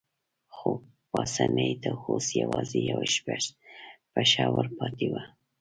خو پاسیني ته اوس یوازې یوه پښه ورپاتې وه.